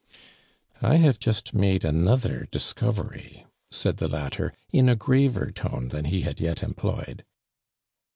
" I have just made another discovery," said the latter, in a graver tone than ho had yet employed.